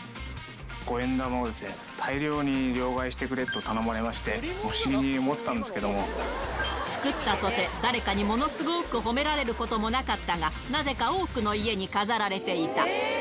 五円玉を大量に両替してくれと頼まれまして、不思議に思って作ったとて、誰かにものすごく褒められることもなかったが、なぜか多くの家に飾られていた。